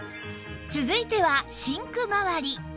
続いてはシンクまわり